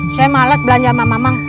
saya malas belanja sama mama